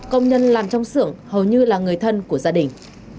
công nhân làm trong xưởng hầu như là người thân của gia đình